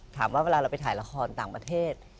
เวลาเราไปถ่ายละครต่างประเทศ